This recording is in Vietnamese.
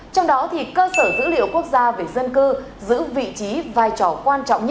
trong đó thì cơ sở dữ liệu quốc gia về dân cư